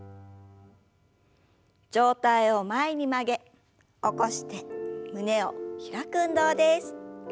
上体を前に曲げ起こして胸を開く運動です。